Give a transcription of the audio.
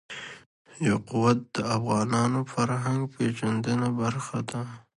یاقوت د افغانانو د فرهنګ پیژندني برخه ده.